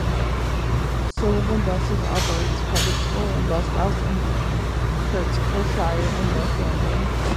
Sullivan Buses operates public and school bus routes in Hertfordshire and North London.